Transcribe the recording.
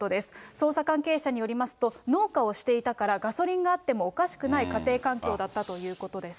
捜査関係者によりますと、農家をしていたから、ガソリンがあってもおかしくない家庭環境だったということです。